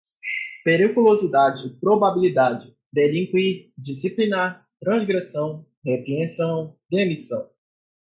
periculosidade, probabilidade, delinquir, disciplinar, transgressão, repreensão, demissão